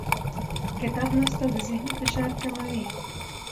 کتاب لوستل د ذهني فشار کموي